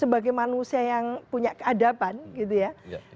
jadi bagi manusia yang punya keadaban gitu ya